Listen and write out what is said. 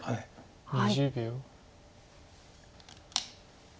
２０秒。